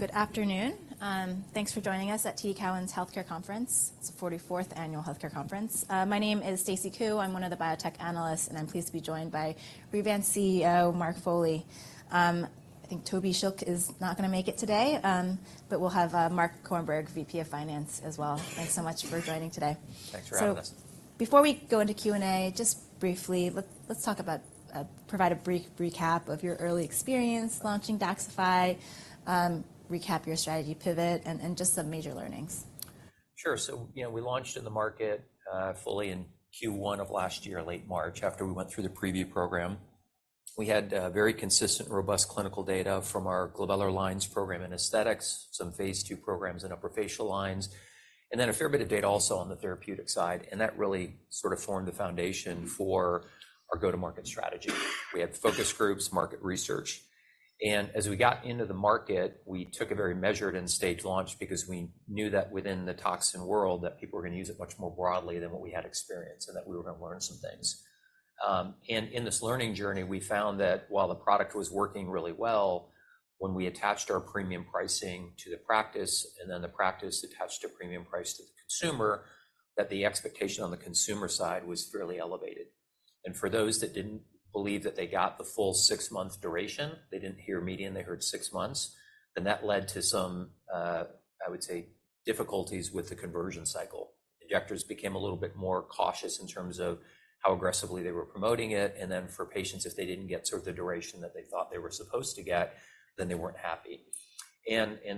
Good afternoon. Thanks for joining us at TD Cowen's 44th Annual Health Care Conference. It's the 44th annual health care conference. My name is Stacy Ku. I'm one of the biotech analysts, and I'm pleased to be joined by Revance CEO Mark Foley. I think Toby Schilke is not going to make it today, but we'll have Marc Korenberg, VP of Finance, as well. Thanks so much for joining today. Thanks for having us. Before we go into Q&A, just briefly, let's talk about, provide a brief recap of your early experience launching Daxxify, recap your strategy pivot, and just some major learnings. Sure. So, you know, we launched in the market, fully in Q1 of last year, late March, after we went through the preview program. We had very consistent, robust clinical data from our Glabellar Lines program in aesthetics, some phase II programs in upper facial lines, and then a fair bit of data also on the therapeutic side. That really sort of formed the foundation for our go-to-market strategy. We had focus groups, market research. As we got into the market, we took a very measured and staged launch because we knew that within the toxin world, that people were going to use it much more broadly than what we had experienced, and that we were going to learn some things. And in this learning journey, we found that while the product was working really well, when we attached our premium pricing to the practice, and then the practice attached a premium price to the consumer, that the expectation on the consumer side was fairly elevated. For those that didn't believe that they got the full 6-month duration, they didn't hear median, they heard 6 months, and that led to some, I would say, difficulties with the conversion cycle. Injectors became a little bit more cautious in terms of how aggressively they were promoting it. Then for patients, if they didn't get sort of the duration that they thought they were supposed to get, then they weren't happy.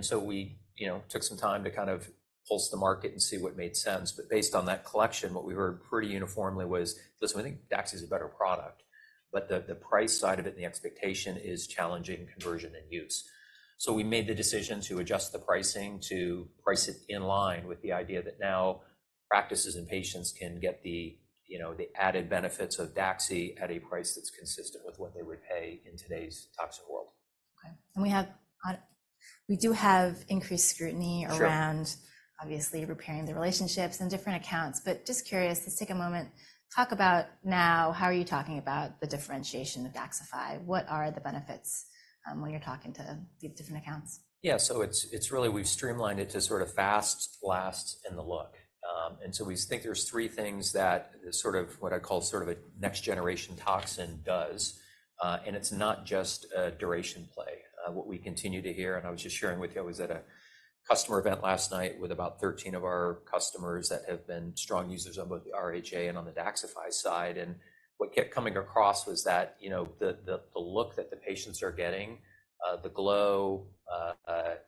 So we, you know, took some time to kind of pulse the market and see what made sense. But based on that collection, what we heard pretty uniformly was, "Listen, we think Daxi is a better product, but the price side of it and the expectation is challenging conversion and use." So we made the decision to adjust the pricing to price it in line with the idea that now practices and patients can get the, you know, the added benefits of Daxi at a price that's consistent with what they would pay in today's toxin world. Okay. And we do have increased scrutiny around, obviously, repairing the relationships and different accounts. But just curious, let's take a moment. Talk about now, how are you talking about the differentiation of Daxxify? What are the benefits, when you're talking to these different accounts? Yeah. So it's really we've streamlined it to sort of fast, last, and the look. So we think there's three things that sort of what I call sort of a next-generation toxin does. And it's not just a duration play. What we continue to hear, and I was just sharing with you, I was at a customer event last night with about 13 of our customers that have been strong users on both the RHA and on the Daxxify side. And what kept coming across was that, you know, the look that the patients are getting, the glow,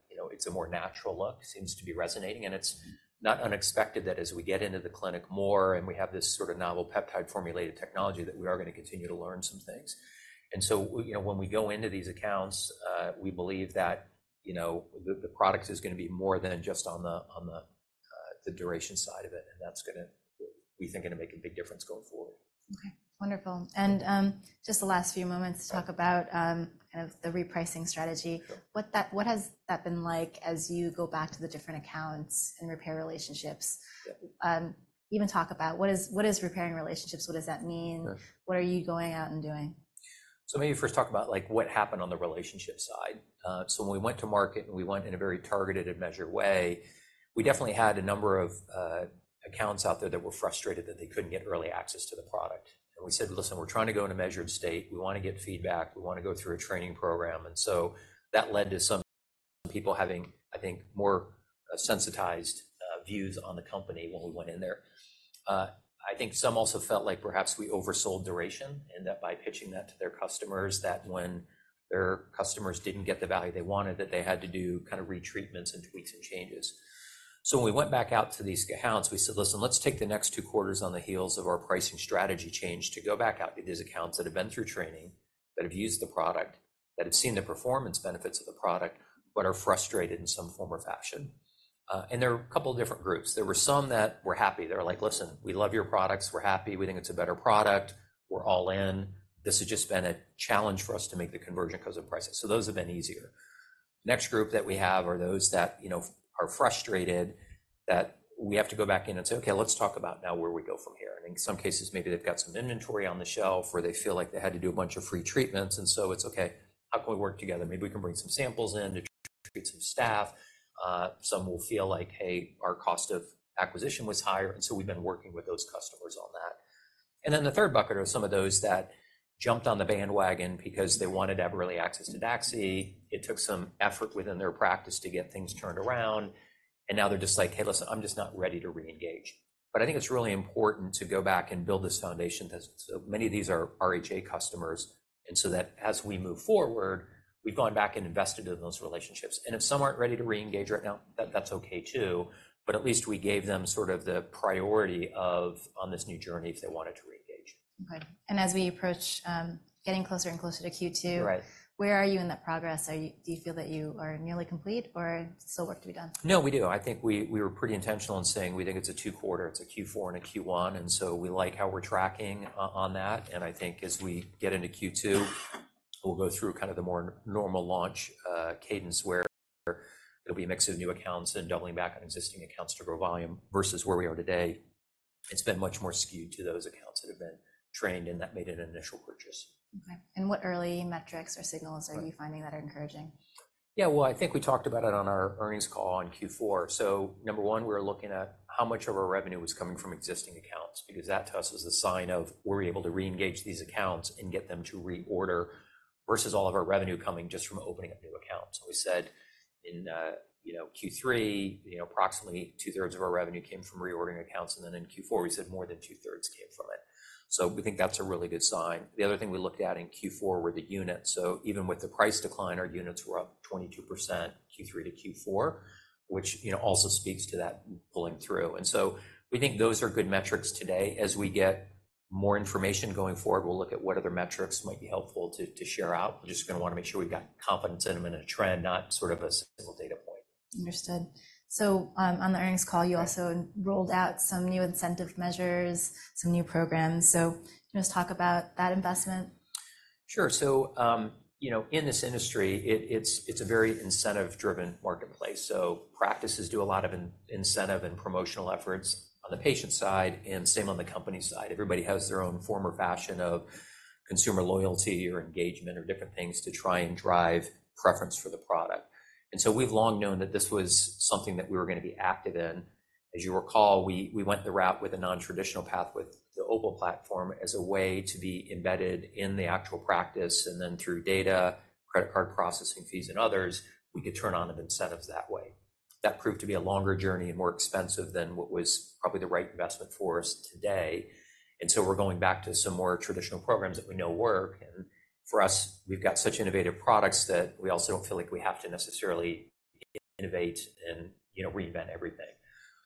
you know, it's a more natural look, seems to be resonating. And it's not unexpected that as we get into the clinic more and we have this sort of novel peptide formulated technology that we are going to continue to learn some things. So, you know, when we go into these accounts, we believe that, you know, the product is going to be more than just on the duration side of it. And that's going to, we think, going to make a big difference going forward. Okay. Wonderful. And just the last few moments to talk about kind of the repricing strategy. What has that been like as you go back to the different accounts and repair relationships? Even talk about what is repairing relationships? What does that mean? What are you going out and doing? So maybe first talk about, like, what happened on the relationship side. When we went to market and we went in a very targeted and measured way, we definitely had a number of accounts out there that were frustrated that they couldn't get early access to the product. And we said, "Listen, we're trying to go in a measured state. We want to get feedback. We want to go through a training program." And so that led to some people having, I think, more sensitized views on the company when we went in there. I think some also felt like perhaps we oversold duration and that by pitching that to their customers, that when their customers didn't get the value they wanted, that they had to do kind of retreatments and tweaks and changes. So when we went back out to these accounts, we said, "Listen, let's take the next two quarters on the heels of our pricing strategy change to go back out to these accounts that have been through training, that have used the product, that have seen the performance benefits of the product, but are frustrated in some form or fashion." And there are a couple of different groups. There were some that were happy. They were like, "Listen, we love your products. We're happy. We think it's a better product. We're all in. This has just been a challenge for us to make the conversion because of pricing." So those have been easier. Next group that we have are those that, you know, are frustrated that we have to go back in and say, "Okay, let's talk about now where we go from here." And in some cases, maybe they've got some inventory on the shelf or they feel like they had to do a bunch of free treatments. And so it's okay, how can we work together? Maybe we can bring some samples in to treat some staff. Some will feel like, "Hey, our cost of acquisition was higher." And so we've been working with those customers on that. And then the third bucket are some of those that jumped on the bandwagon because they wanted to have early access to Daxi. It took some effort within their practice to get things turned around. And now they're just like, "Hey, listen, I'm just not ready to reengage." But I think it's really important to go back and build this foundation because many of these are RHA customers. And so that as we move forward, we've gone back and invested in those relationships. And if some aren't ready to reengage right now, that's okay too. But at least we gave them sort of the priority of on this new journey if they wanted to reengage. Okay. As we approach, getting closer and closer to Q2, where are you in that progress? Do you feel that you are nearly complete or still work to be done? No, we do. I think we were pretty intentional in saying we think it's a two-quarter. It's a Q4 and a Q1. And so we like how we're tracking on that. And I think as we get into Q2, we'll go through kind of the more normal launch cadence where there'll be a mix of new accounts and doubling back on existing accounts to grow volume versus where we are today. It's been much more skewed to those accounts that have been trained and that made an initial purchase. Okay. And what early metrics or signals are you finding that are encouraging? Yeah. Well, I think we talked about it on our earnings call on Q4. So number one, we were looking at how much of our revenue was coming from existing accounts because that to us was a sign of we're able to reengage these accounts and get them to reorder versus all of our revenue coming just from opening up new accounts. We said in, you know, Q3, you know, approximately two-thirds of our revenue came from reordering accounts. And then in Q4, we said more than two-thirds came from it. So we think that's a really good sign. The other thing we looked at in Q4 were the units. So even with the price decline, our units were up 22% Q3 to Q4, which, you know, also speaks to that pulling through. And so we think those are good metrics today. As we get more information going forward, we'll look at what other metrics might be helpful to share out. We're just going to want to make sure we've got confidence in them and a trend, not sort of a single data point. Understood. So, on the earnings call, you also rolled out some new incentive measures, some new programs. So can you just talk about that investment? Sure. So, you know, in this industry, it's a very incentive-driven marketplace. So practices do a lot of incentive and promotional efforts on the patient side and same on the company side. Everybody has their own form or fashion of consumer loyalty or engagement or different things to try and drive preference for the product. And so we've long known that this was something that we were going to be active in. As you recall, we went the route with a non-traditional path with the OPUL platform as a way to be embedded in the actual practice. And then through data, credit card processing fees, and others, we could turn on an incentive that way. That proved to be a longer journey and more expensive than what was probably the right investment for us today. And so we're going back to some more traditional programs that we know work. And for us, we've got such innovative products that we also don't feel like we have to necessarily innovate and, you know, reinvent everything.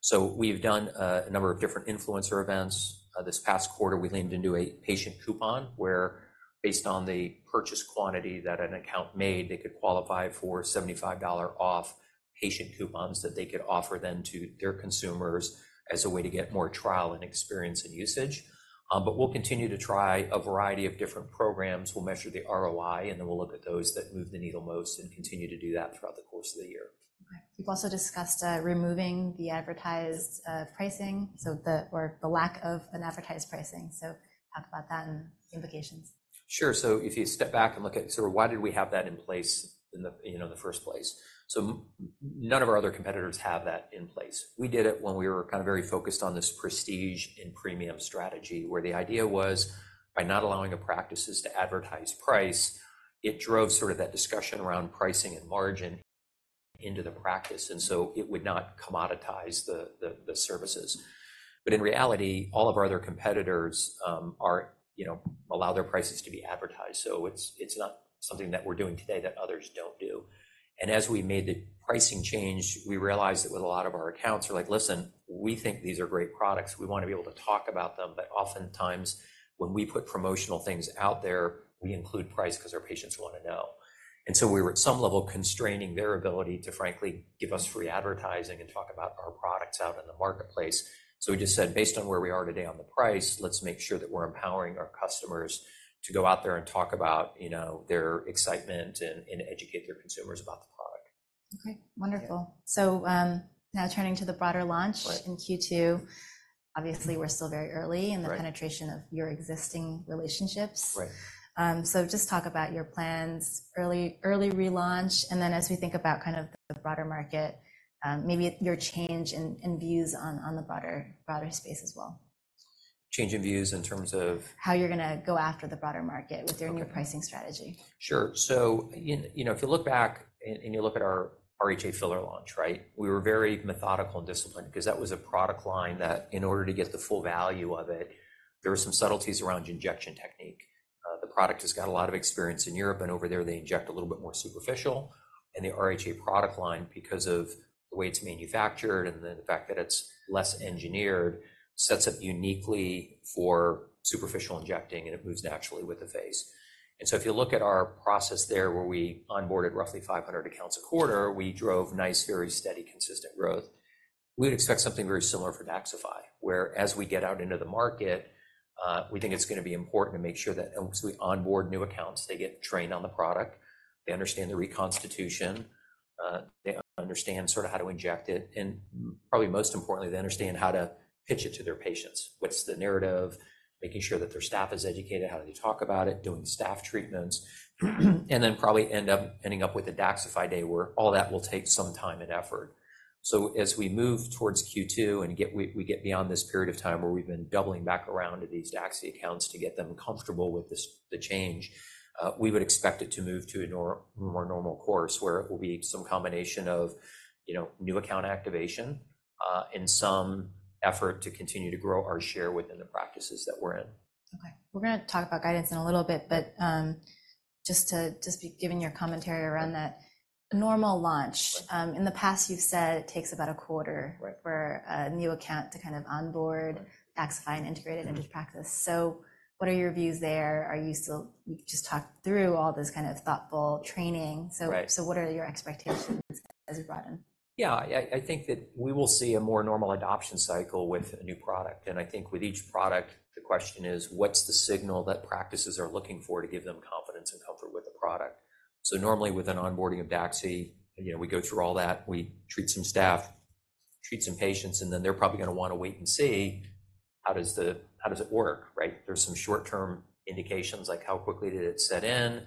So we've done a number of different influencer events. This past quarter, we leaned into a patient coupon where, based on the purchase quantity that an account made, they could qualify for $75 off patient coupons that they could offer then to their consumers as a way to get more trial and experience and usage. But we'll continue to try a variety of different programs. We'll measure the ROI, and then we'll look at those that move the needle most and continue to do that throughout the course of the year. Okay. We've also discussed removing the advertised pricing, so the lack of an advertised pricing. So talk about that and implications. Sure. So if you step back and look at sort of why did we have that in place in the, you know, the first place? So none of our other competitors have that in place. We did it when we were kind of very focused on this prestige and premium strategy where the idea was, by not allowing a practice to advertise price, it drove sort of that discussion around pricing and margin into the practice. And so it would not commoditize the services. But in reality, all of our other competitors are, you know, allow their prices to be advertised. So it's not something that we're doing today that others don't do. And as we made the pricing change, we realized that with a lot of our accounts, we're like, "Listen, we think these are great products. We want to be able to talk about them." But oftentimes, when we put promotional things out there, we include price because our patients want to know. And so we were, at some level, constraining their ability to frankly give us free advertising and talk about our products out in the marketplace. So we just said, based on where we are today on the price, let's make sure that we're empowering our customers to go out there and talk about, you know, their excitement and educate their consumers about the product. Okay. Wonderful. So, now turning to the broader launch in Q2, obviously, we're still very early in the penetration of your existing relationships. So just talk about your plans, early relaunch. And then as we think about kind of the broader market, maybe your change in views on the broader space as well. Change in views in terms of. How you're going to go after the broader market with your new pricing strategy? Sure. So, you know, if you look back and you look at our RHA filler launch, right, we were very methodical and disciplined because that was a product line that, in order to get the full value of it, there were some subtleties around injection technique. The product has got a lot of experience in Europe, and over there, they inject a little bit more superficial. And the RHA product line, because of the way it's manufactured and then the fact that it's less engineered, sets up uniquely for superficial injecting, and it moves naturally with the phase. And so if you look at our process there where we onboarded roughly 500 accounts a quarter, we drove nice, very steady, consistent growth. We would expect something very similar for Daxxify, whereas we get out into the market, we think it's going to be important to make sure that once we onboard new accounts, they get trained on the product, they understand the reconstitution, they understand sort of how to inject it, and probably most importantly, they understand how to pitch it to their patients. What's the narrative? Making sure that their staff is educated, how do they talk about it, doing staff treatments, and then probably end up with a Daxxify day where all that will take some time and effort. So as we move towards Q2 and get beyond this period of time where we've been doubling back around to these Daxi accounts to get them comfortable with the change, we would expect it to move to a more normal course where it will be some combination of, you know, new account activation and some effort to continue to grow our share within the practices that we're in. Okay. We're going to talk about guidance in a little bit, but just to be giving your commentary around that normal launch, in the past, you've said it takes about a quarter for a new account to kind of onboard Daxxify and integrate it into practice. So what are your views there? Are you still just talk through all this kind of thoughtful training? So what are your expectations as you brought in? Yeah, I think that we will see a more normal adoption cycle with a new product. And I think with each product, the question is, what's the signal that practices are looking for to give them confidence and comfort with the product? So normally, with an onboarding of Daxi, you know, we go through all that. We treat some staff, treat some patients, and then they're probably going to want to wait and see, how does it work? Right? There's some short-term indications, like how quickly did it set in?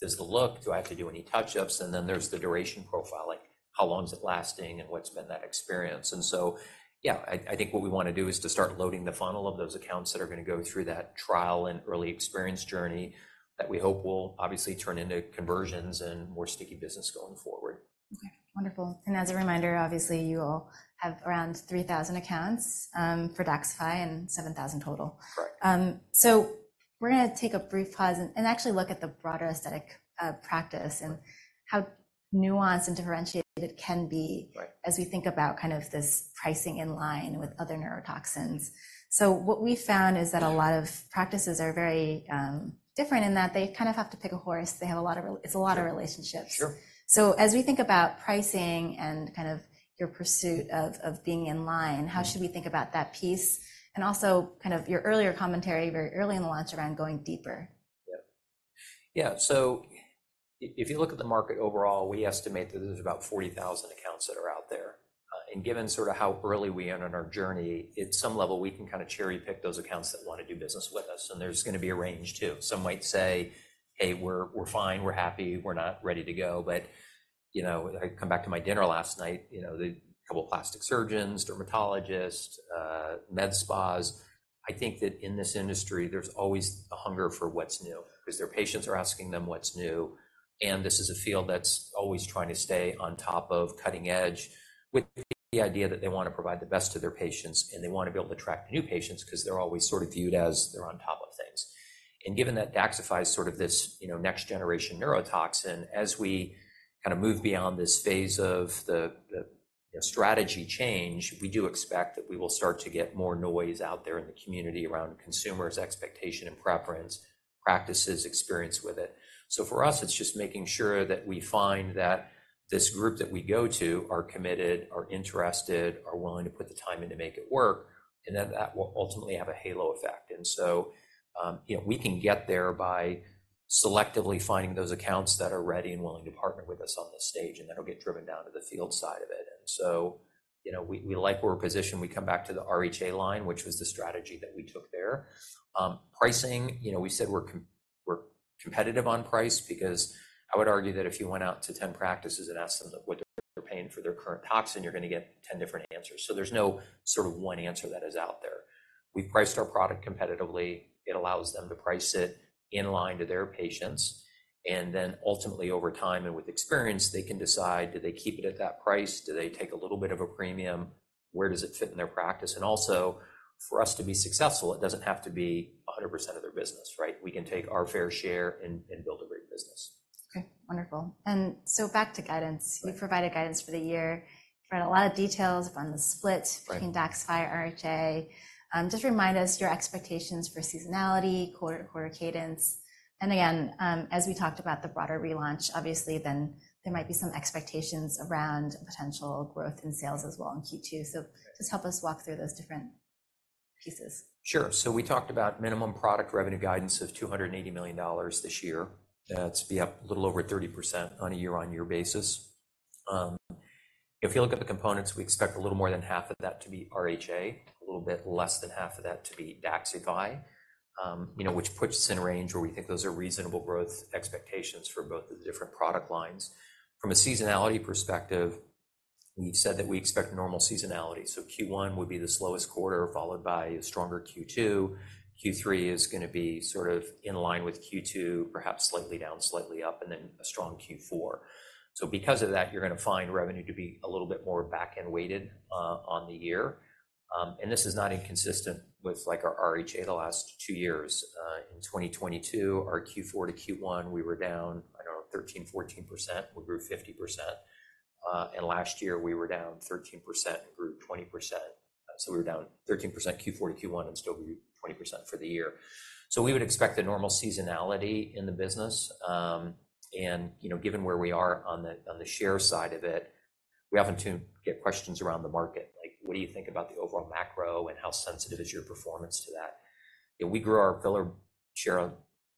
Does the look do I have to do any touch-ups? And then there's the duration profile, like how long is it lasting and what's been that experience? So, yeah, I think what we want to do is to start loading the funnel of those accounts that are going to go through that trial and early experience journey that we hope will obviously turn into conversions and more sticky business going forward. Okay. Wonderful. As a reminder, obviously, you all have around 3,000 accounts for Daxxify and 7,000 total. So we're going to take a brief pause and actually look at the broader aesthetic practice and how nuanced and differentiated it can be as we think about kind of this pricing in line with other neurotoxins. So what we found is that a lot of practices are very different in that they kind of have to pick a horse. They have a lot of it's a lot of relationships. So as we think about pricing and kind of your pursuit of being in line, how should we think about that piece? And also kind of your earlier commentary very early in the launch around going deeper. Yeah. Yeah. So if you look at the market overall, we estimate that there's about 40,000 accounts that are out there. And given sort of how early we are in our journey, at some level, we can kind of cherry-pick those accounts that want to do business with us. And there's going to be a range too. Some might say, "Hey, we're fine. We're happy. We're not ready to go." But, you know, I come back to my dinner last night, you know, the couple of plastic surgeons, dermatologists, med spas. I think that in this industry, there's always a hunger for what's new because their patients are asking them what's new. This is a field that's always trying to stay on top of cutting edge with the idea that they want to provide the best to their patients, and they want to be able to attract new patients because they're always sort of viewed as they're on top of things. Given that Daxxify is sort of this, you know, next-generation neurotoxin, as we kind of move beyond this phase of the strategy change, we do expect that we will start to get more noise out there in the community around consumers' expectation and preference, practices, experience with it. For us, it's just making sure that we find that this group that we go to are committed, are interested, are willing to put the time in to make it work, and that will ultimately have a halo effect. And so, you know, we can get there by selectively finding those accounts that are ready and willing to partner with us on this stage, and that'll get driven down to the field side of it. And so, you know, we like where we're positioned. We come back to the RHA line, which was the strategy that we took there. Pricing, you know, we said we're competitive on price because I would argue that if you went out to 10 practices and asked them what they're paying for their current toxin, you're going to get 10 different answers. So there's no sort of one answer that is out there. We priced our product competitively. It allows them to price it in line to their patients. And then ultimately, over time and with experience, they can decide, do they keep it at that price? Do they take a little bit of a premium? Where does it fit in their practice? And also, for us to be successful, it doesn't have to be 100% of their business, right? We can take our fair share and build a great business. Okay. Wonderful. And so back to guidance. You provided guidance for the year. You provided a lot of details on the split between Daxxify, RHA. Just remind us your expectations for seasonality, quarter cadence. And again, as we talked about the broader relaunch, obviously, then there might be some expectations around potential growth in sales as well in Q2. So just help us walk through those different pieces. Sure. So we talked about minimum product revenue guidance of $280 million this year. That's to be up a little over 30% on a year-on-year basis. If you look at the components, we expect a little more than half of that to be RHA, a little bit less than half of that to be Daxxify, you know, which puts us in a range where we think those are reasonable growth expectations for both of the different product lines. From a seasonality perspective, we've said that we expect normal seasonality. So Q1 would be the slowest quarter, followed by a stronger Q2. Q3 is going to be sort of in line with Q2, perhaps slightly down, slightly up, and then a strong Q4. So because of that, you're going to find revenue to be a little bit more back-end weighted on the year. This is not inconsistent with like our RHA the last two years. In 2022, our Q4 to Q1, we were down, I don't know, 13%-14%. We grew 50%. Last year, we were down 13% and grew 20%. So we were down 13% Q4 to Q1 and still grew 20% for the year. So we would expect a normal seasonality in the business. And, you know, given where we are on the share side of it, we often get questions around the market, like, what do you think about the overall macro and how sensitive is your performance to that? We grew our filler share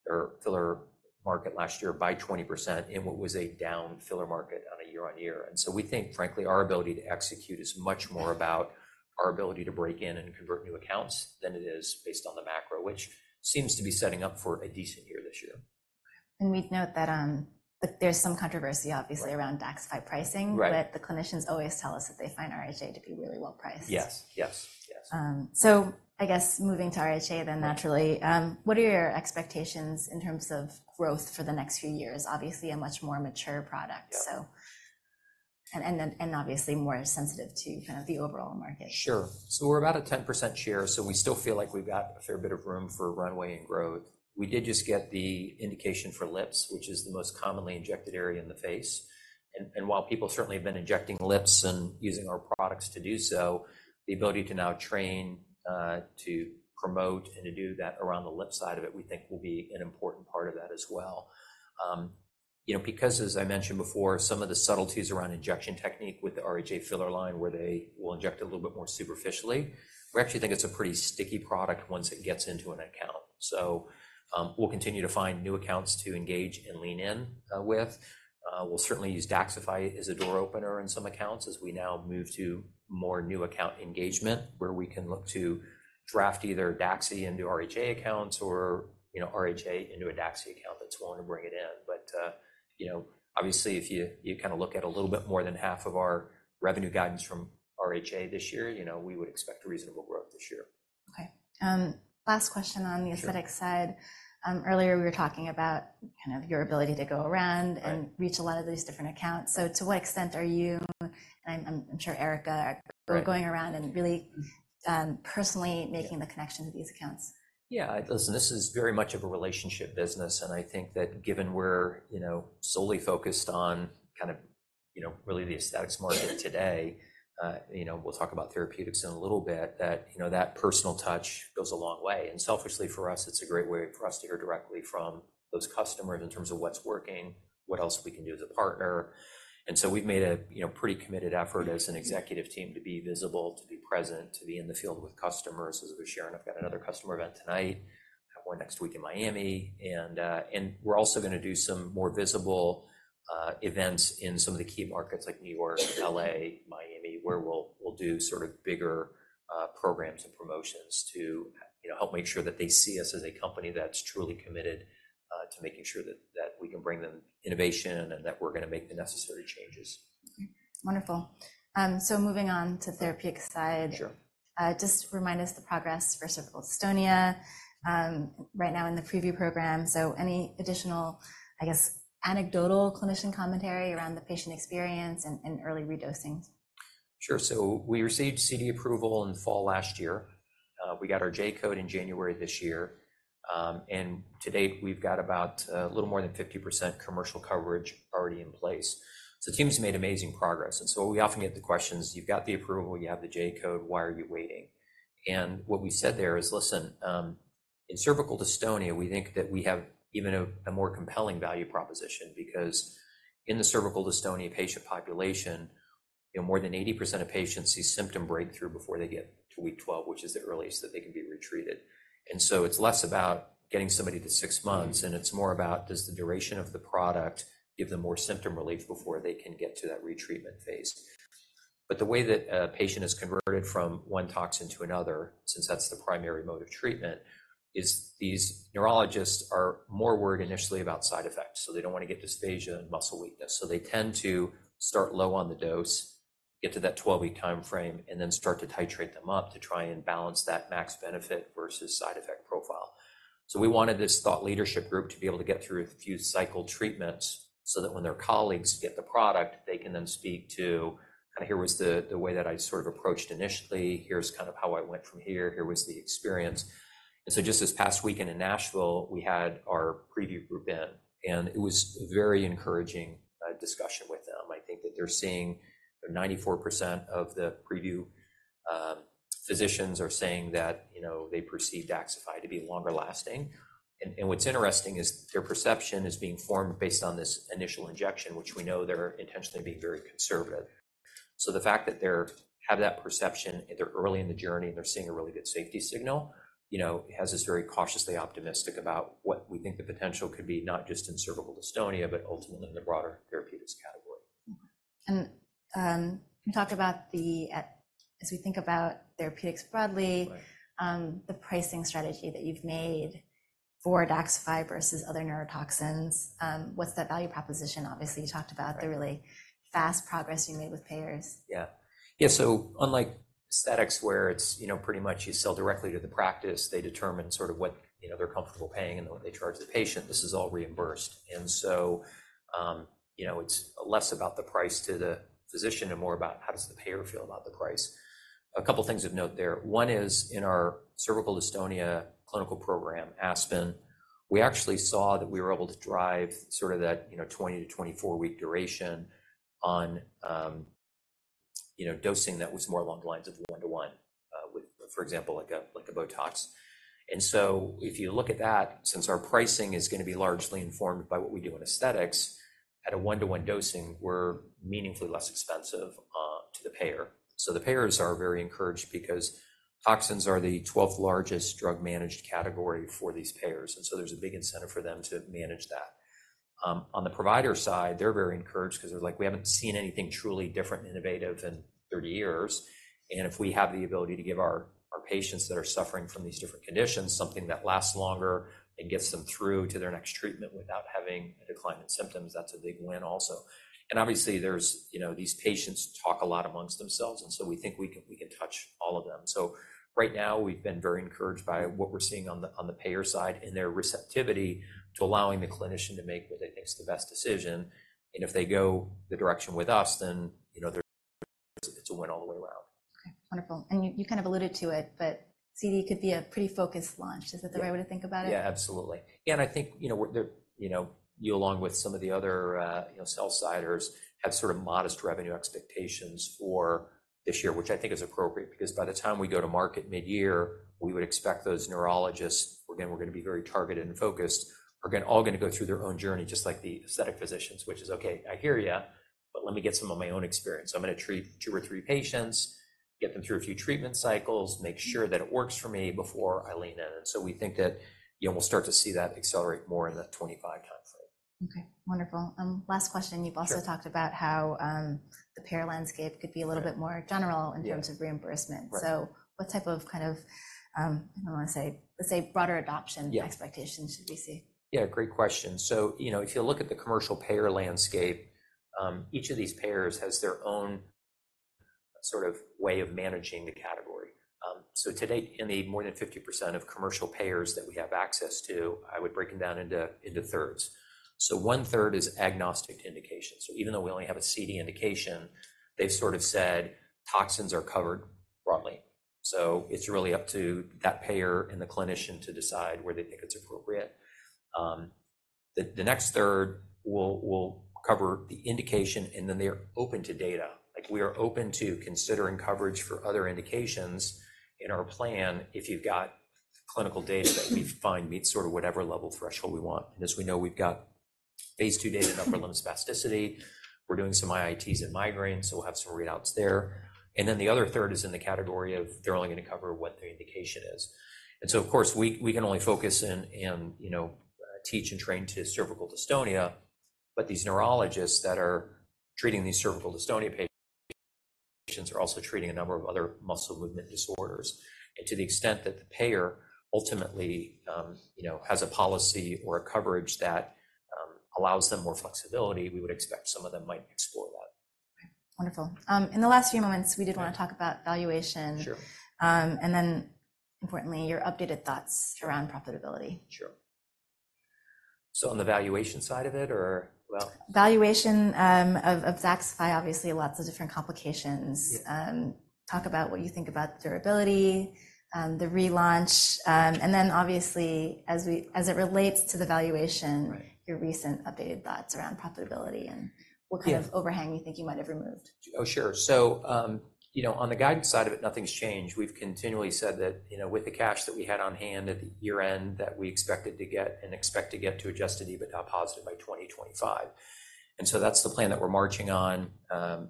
or filler market last year by 20% in what was a down filler market on a year-on-year. So we think, frankly, our ability to execute is much more about our ability to break in and convert new accounts than it is based on the macro, which seems to be setting up for a decent year this year. We'd note that, there's some controversy, obviously, around Daxxify pricing, but the clinicians always tell us that they find RHA to be really well priced. Yes. Yes. Yes. So, I guess moving to RHA then, naturally, what are your expectations in terms of growth for the next few years? Obviously, a much more mature product. So, and obviously, more sensitive to kind of the overall market. Sure. So we're about a 10% share. So we still feel like we've got a fair bit of room for runway and growth. We did just get the indication for lips, which is the most commonly injected area in the face. And while people certainly have been injecting lips and using our products to do so, the ability to now train to promote and to do that around the lip side of it, we think will be an important part of that as well. You know, because, as I mentioned before, some of the subtleties around injection technique with the RHA filler line where they will inject a little bit more superficially, we actually think it's a pretty sticky product once it gets into an account. So we'll continue to find new accounts to engage and lean in with. We'll certainly use Daxxify as a door opener in some accounts as we now move to more new account engagement where we can look to draft either Daxi into RHA accounts or, you know, RHA into a Daxi account that's willing to bring it in. But, you know, obviously, if you kind of look at a little bit more than half of our revenue guidance from RHA this year, you know, we would expect a reasonable growth this year. Okay. Last question on the aesthetic side. Earlier, we were talking about kind of your ability to go around and reach a lot of these different accounts. So to what extent are you, and I'm sure Erica, going around and really personally making the connection to these accounts? Yeah. Listen, this is very much of a relationship business. And I think that given we're, you know, solely focused on kind of, you know, really the aesthetics market today, you know, we'll talk about therapeutics in a little bit, that, you know, that personal touch goes a long way. And selfishly for us, it's a great way for us to hear directly from those customers in terms of what's working, what else we can do as a partner. And so we've made a, you know, pretty committed effort as an executive team to be visible, to be present, to be in the field with customers. As we share, and I've got another customer event tonight, one next week in Miami. We're also going to do some more visible events in some of the key markets like New York, L.A., Miami, where we'll do sort of bigger programs and promotions to help make sure that they see us as a company that's truly committed to making sure that we can bring them innovation and that we're going to make the necessary changes. Wonderful. So moving on to the therapeutic side, just remind us the progress for Cervical Dystonia right now in the preview program. So any additional, I guess, anecdotal clinician commentary around the patient experience and early redosing? Sure. So we received CD approval in the fall last year. We got our J-code in January this year. And to date, we've got about a little more than 50% commercial coverage already in place. So teams have made amazing progress. And so we often get the questions, you've got the approval, you have the J-code, why are you waiting? And what we said there is, listen, in Cervical Dystonia, we think that we have even a more compelling value proposition because in the Cervical Dystonia patient population, you know, more than 80% of patients see symptom breakthrough before they get to week 12, which is the earliest that they can be retreated. And so it's less about getting somebody to six months, and it's more about does the duration of the product give them more symptom relief before they can get to that retreatment phase? But the way that a patient is converted from one toxin to another, since that's the primary mode of treatment, is these neurologists are more worried initially about side effects. So they don't want to get dysphagia and muscle weakness. So they tend to start low on the dose, get to that 12-week timeframe, and then start to titrate them up to try and balance that max benefit versus side effect profile. So we wanted this thought leadership group to be able to get through a few cycle treatments so that when their colleagues get the product, they can then speak to kind of here was the way that I sort of approached initially. Here's kind of how I went from here. Here was the experience. And so just this past weekend in Nashville, we had our preview group in, and it was a very encouraging discussion with them. I think that they're seeing 94% of the preview physicians are saying that, you know, they perceive Daxxify to be longer lasting. What's interesting is their perception is being formed based on this initial injection, which we know they're intentionally being very conservative. So the fact that they have that perception, they're early in the journey and they're seeing a really good safety signal, you know, has us very cautiously optimistic about what we think the potential could be, not just in Cervical Dystonia, but ultimately in the broader therapeutics category. Can you talk about the, as we think about therapeutics broadly, the pricing strategy that you've made for Daxxify versus other neurotoxins? What's that value proposition? Obviously, you talked about the really fast progress you made with payers. Yeah. Yeah. So unlike aesthetics where it's, you know, pretty much you sell directly to the practice, they determine sort of what, you know, they're comfortable paying and what they charge the patient. This is all reimbursed. And so, you know, it's less about the price to the physician and more about how does the payer feel about the price? A couple of things of note there. One is in our Cervical Dystonia clinical program, ASPEN, we actually saw that we were able to drive sort of that, you know, 20-24-week duration on, you know, dosing that was more along the lines of one-to-one with, for example, like a BOTOX. And so if you look at that, since our pricing is going to be largely informed by what we do in aesthetics, at a one-to-one dosing, we're meaningfully less expensive to the payer. So the payers are very encouraged because toxins are the 12th largest drug-managed category for these payers. And so there's a big incentive for them to manage that. On the provider side, they're very encouraged because they're like, we haven't seen anything truly different and innovative in 30 years. And if we have the ability to give our patients that are suffering from these different conditions, something that lasts longer and gets them through to their next treatment without having a decline in symptoms, that's a big win also. And obviously, there's, you know, these patients talk a lot among themselves. And so we think we can touch all of them. So right now, we've been very encouraged by what we're seeing on the payer side in their receptivity to allowing the clinician to make what they think is the best decision. If they go the direction with us, then, you know, it's a win all the way around. Okay. Wonderful. And you kind of alluded to it, but CD could be a pretty focused launch. Is that the right way to think about it? Yeah, absolutely. Yeah. And I think, you know, you along with some of the other, you know, sell-siders have sort of modest revenue expectations for this year, which I think is appropriate because by the time we go to market mid-year, we would expect those neurologists, again, we're going to be very targeted and focused, are all going to go through their own journey just like the aesthetic physicians, which is, okay, I hear you, but let me get some of my own experience. I'm going to treat two or three patients, get them through a few treatment cycles, make sure that it works for me before I lean in. And so we think that, you know, we'll start to see that accelerate more in that 2025 timeframe. Okay. Wonderful. Last question. You've also talked about how the payer landscape could be a little bit more general in terms of reimbursement. So what type of, I don't want to say, let's say broader adoption expectations should we see? Yeah. Great question. So, you know, if you look at the commercial payer landscape, each of these payers has their own sort of way of managing the category. So today, in the more than 50% of commercial payers that we have access to, I would break them down into thirds. So one-third is agnostic indication. So even though we only have a CD indication, they've sort of said toxins are covered broadly. So it's really up to that payer and the clinician to decide where they think it's appropriate. The next third will cover the indication, and then they're open to data. Like we are open to considering coverage for other indications in our plan if you've got clinical data that we find meets sort of whatever level threshold we want. And as we know, we've got phase II data in upper limb spasticity. We're doing some IITs and migraines, so we'll have some readouts there. And then the other third is in the category of they're only going to cover what the indication is. And so, of course, we can only focus in, you know, teach and train to Cervical Dystonia. But these neurologists that are treating these Cervical Dystonia patients are also treating a number of other muscle movement disorders. And to the extent that the payer ultimately, you know, has a policy or a coverage that allows them more flexibility, we would expect some of them might explore that. Wonderful. In the last few moments, we did want to talk about valuation. And then, importantly, your updated thoughts around profitability. Sure. So on the valuation side of it, or? Valuation of Daxxify, obviously, lots of different complications. Talk about what you think about durability, the relaunch. And then, obviously, as it relates to the valuation, your recent updated thoughts around profitability and what kind of overhang you think you might have removed. Oh, sure. So, you know, on the guidance side of it, nothing's changed. We've continually said that, you know, with the cash that we had on hand at the year-end that we expected to get and expect to get to adjusted EBITDA positive by 2025. And so that's the plan that we're marching on.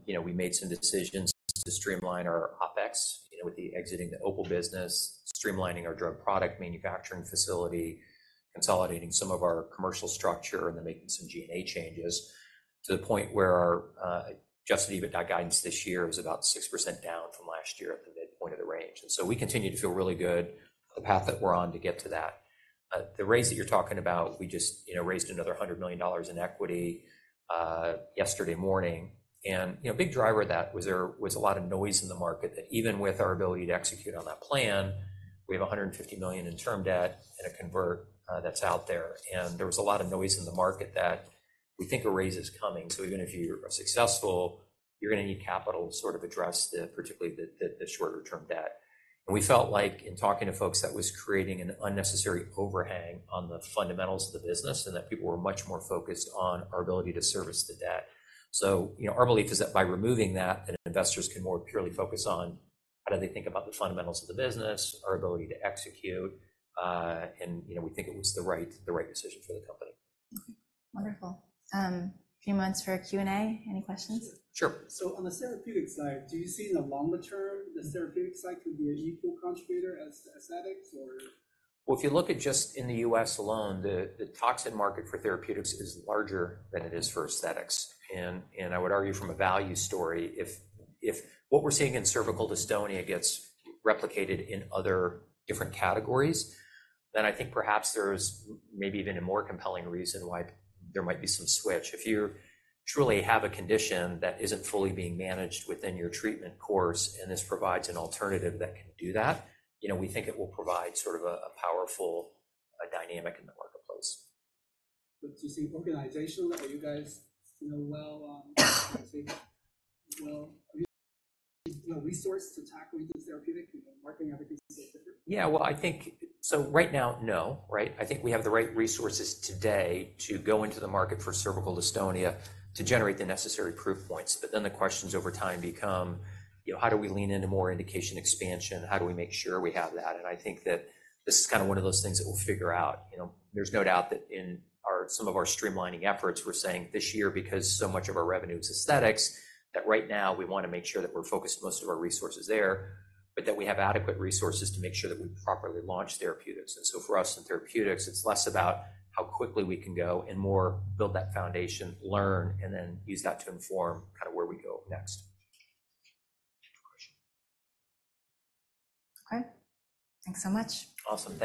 You know, we made some decisions to streamline our OpEx, you know, with the exiting the OPUL business, streamlining our drug product manufacturing facility, consolidating some of our commercial structure, and then making some G&A changes to the point where our adjusted EBITDA guidance this year is about 6% down from last year at the midpoint of the range. And so we continue to feel really good about the path that we're on to get to that. The raise that you're talking about, we just, you know, raised another $100 million in equity yesterday morning. You know, a big driver of that was there was a lot of noise in the market that even with our ability to execute on that plan, we have $150 million in term debt and a convert that's out there. And there was a lot of noise in the market that we think a raise is coming. So even if you're successful, you're going to need capital to sort of address the particularly the shorter-term debt. And we felt like in talking to folks, that was creating an unnecessary overhang on the fundamentals of the business and that people were much more focused on our ability to service the debt. So, you know, our belief is that by removing that, that investors can more purely focus on how do they think about the fundamentals of the business, our ability to execute. You know, we think it was the right decision for the company. Okay. Wonderful. A few minutes for Q&A. Any questions? Sure. On the therapeutic side, do you see in the longer term, the therapeutic side could be an equal contributor as to aesthetics, or? Well, if you look at just in the U.S. alone, the toxin market for therapeutics is larger than it is for aesthetics. And I would argue from a value story, if what we're seeing in Cervical Dystonia gets replicated in other different categories, then I think perhaps there's maybe even a more compelling reason why there might be some switch. If you truly have a condition that isn't fully being managed within your treatment course and this provides an alternative that can do that, you know, we think it will provide sort of a powerful dynamic in the marketplace. But do you see organizationally? Are you guys well-resourced to tackle the therapeutics? Marketing efficacy is different? Yeah. Well, I think so right now, no, right? I think we have the right resources today to go into the market for Cervical Dystonia to generate the necessary proof points. But then the questions over time become, you know, how do we lean into more indication expansion? How do we make sure we have that? And I think that this is kind of one of those things that we'll figure out. You know, there's no doubt that in some of our streamlining efforts, we're saying this year because so much of our revenue is aesthetics, that right now we want to make sure that we're focused most of our resources there, but that we have adequate resources to make sure that we properly launch therapeutics. And so for us in therapeutics, it's less about how quickly we can go and more build that foundation, learn, and then use that to inform kind of where we go next. Okay. Thanks so much. Awesome.